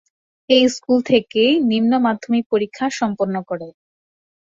এই স্কুল থেকেই নিম্ন মাধ্যমিক পরীক্ষা সম্পন্ন করে।